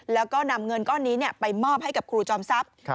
แล้วก็นำเงินก้อนนี้ไปมอบให้กับครูจอมทรัพย์